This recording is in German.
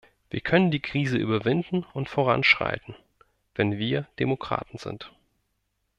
Wir können die Krise überwinden und voranschreiten, wenn wir Demokraten sind.